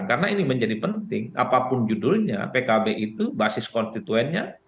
karena ini menjadi penting apapun judulnya pkb itu basis konstituennya